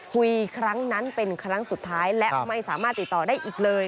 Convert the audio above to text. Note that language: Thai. คุยครั้งนั้นเป็นครั้งสุดท้ายและไม่สามารถติดต่อได้อีกเลย